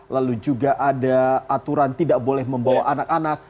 lalu juga ada aturan tidak boleh membawa anak anak